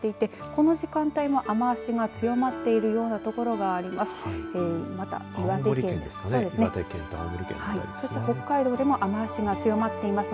この時間も雨足が強まっているような所があります。